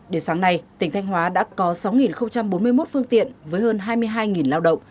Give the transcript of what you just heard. đến sáng nay tỉnh thanh hóa đã có sáu bốn mươi một phương tiện với hơn hai mươi hai lao động